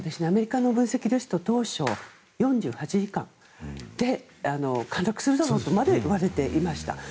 アメリカの分析ですと当初４８時間で陥落するだろうとまでいわれていました。